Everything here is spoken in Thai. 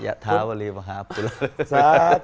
อย่าท้าวรีมหาพุระ